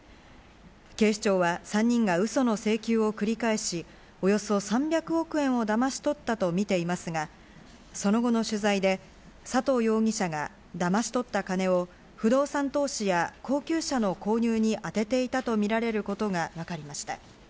警視庁は３人がうその請求を繰り返し、およそ３００億円をだまし取ったとみていますが、その後の取材で佐藤容疑者がだまし取った金を不動産投資や高級車の購入にあてていたとみられることがわかりました。